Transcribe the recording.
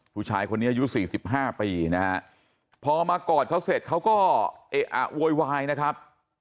ผู้ชายคนนี้อายุ๔๕ปีนะฮะพอมากอดเขาเสร็จเขาก็เอ๊ะอะโวยวายนะครับ